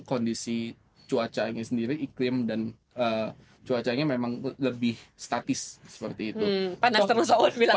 kondisi cuacanya sendiri iklim dan cuacanya memang lebih statis seperti itu panas terus